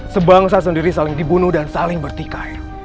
sebangsa sendiri saling dibunuh dan saling bertikai